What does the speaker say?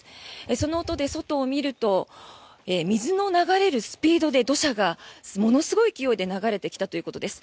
その音で外を見ると水の流れるスピードで土砂がものすごい勢いで流れてきたということです。